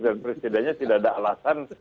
dan presidennya tidak ada alasan